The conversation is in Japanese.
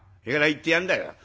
だから言ってやんだよ。